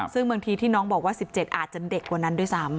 ซึ่งบางทีที่น้องบอกว่า๑๗อาจจะเด็กกว่านั้นด้วยซ้ำ